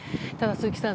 鈴木さん